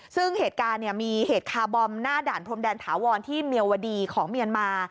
ซึ่งเหตุการณ์มีเหตุคาร์บอมหน้าด่านพรมแดนถาวรที่เมียวดีของเมียนมา